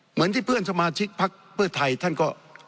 เหมือนที่เพื่อนสมาชิกพักเพื่อไทยท่านก็